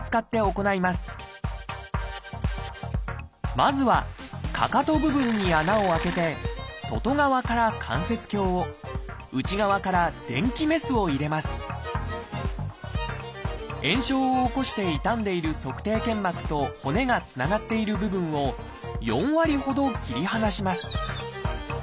まずはかかと部分に穴を開けて外側から関節鏡を内側から電気メスを入れます炎症を起こして傷んでいる足底腱膜と骨がつながっている部分を４割ほど切り離します